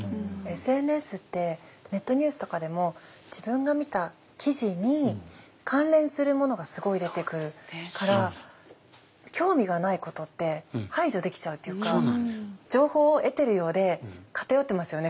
ＳＮＳってネットニュースとかでも自分が見た記事に関連するものがすごい出てくるから興味がないことって排除できちゃうっていうか情報を得てるようで偏ってますよね